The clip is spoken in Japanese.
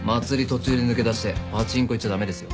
途中で抜け出してパチンコ行っちゃ駄目ですよ。